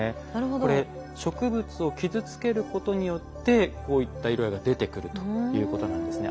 これ植物を傷つけることによってこういった色合いが出てくるということなんですね。